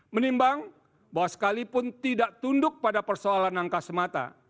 menimbang bahwa sekalipun tidak tunduk pada persoalan angka semata